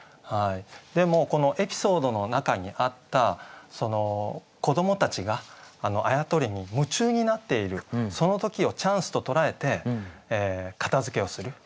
でもこのエピソードの中にあった子どもたちがあやとりに夢中になっているその時をチャンスと捉えて片づけをする。